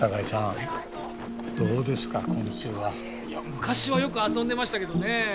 昔はよく遊んでましたけどね